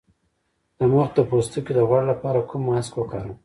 د مخ د پوستکي د غوړ لپاره کوم ماسک وکاروم؟